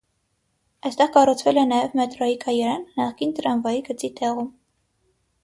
Այստեղ կառուցվել է նաև մետրոյի կայարան, նախկին տրամվայի գծի տեղում։